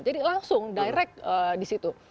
jadi langsung direct di situ